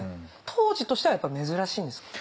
当時としてはやっぱ珍しいんですか？